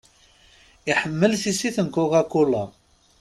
Iḥemmel tissit n Coca-Cola.